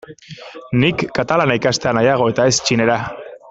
Nik katalana ikastea nahiago eta ez txinera.